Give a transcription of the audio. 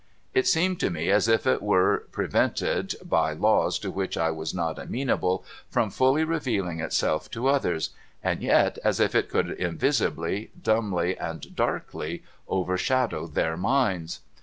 It seemed to me as if it were pre vented, by laws to which I was not amenaljle, from fully revealing itself to others, and yet as if it could invisibly, dumbly, and darkly overshadow their minds.